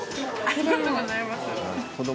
ありがとうございます。